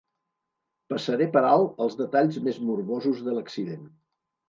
Passaré per alt els detalls més morbosos de l'accident.